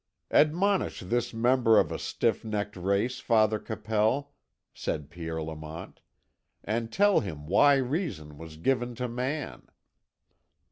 "Admonish this member of a stiff necked race, Father Capel," said Pierre Lamont, "and tell him why reason was given to man."